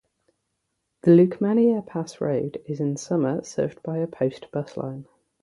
The Lukmanier pass road is in summer served by a post bus line.